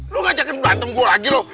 lu ngajakin berantem gue lagi lu